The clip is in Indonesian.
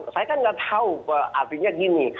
saya kan nggak tahu artinya gini